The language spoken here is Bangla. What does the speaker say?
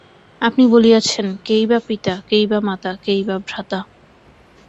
আপনি বলিয়াছেন, কেই বা পিতা, কেই বা মাতা, কেই বা ভ্রাতা!